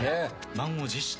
満を持して。